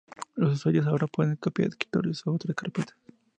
Los usuarios ahora pueden copiar escritorios u otras carpetas.